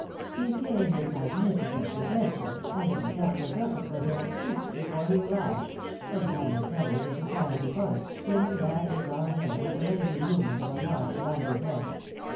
" He came with magnificent credentials, and an account was opened for him at Coutts's before he arrived," said Magnus Dudley, the society poet, flinging back his long hair with a lazy movement of the large languid head.